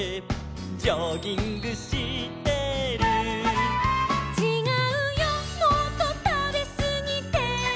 「ジョギングしてる」「ちがうよもっとたべすぎて」